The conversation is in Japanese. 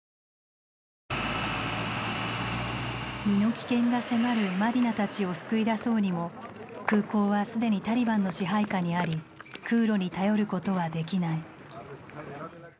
身の危険が迫るマディナたちを救い出そうにも空港は既にタリバンの支配下にあり空路に頼ることはできない。